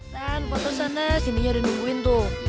san kota sana sininya ada yang nungguin tuh